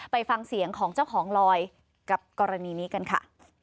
ไปฟังเสียงของเจ้าของลอยกับกรณีนี้กันค่ะ